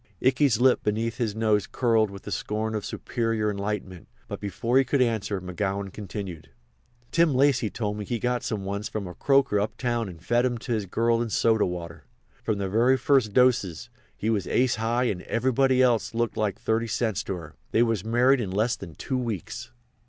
Ikey's lip beneath his nose curled with the scorn of superior enlightenment; but before he could answer, McGowan continued: "Tim Lacy told me he got some once from a croaker uptown and fed 'em to his girl in soda water. From the very first dose he was ace high and everybody else looked like thirty cents to her. They was married in less than two weeks."